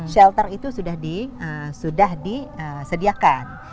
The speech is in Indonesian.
shelter itu sudah disediakan